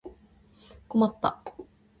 困った